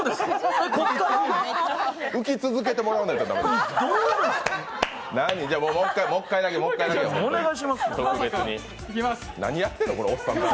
浮き続けてもらわないといけない。